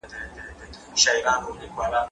زه اوس پوښتنه کوم!